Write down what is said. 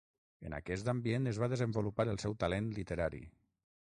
En aquest ambient es va desenvolupar el seu talent literari.